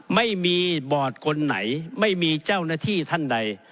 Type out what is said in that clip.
ไม่มีบอร์ดคนไหนไม่มีเจ้าหน้าที่ท่านใด